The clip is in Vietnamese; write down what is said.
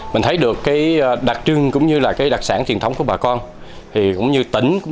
mình thấy được cái đặc trưng cũng như là cái đặc sản truyền thống của bà con thì cũng như tỉnh cũng